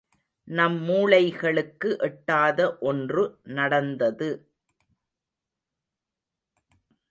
நம் மூளைகளுக்கு எட்டாத ஒன்று நடந்தது.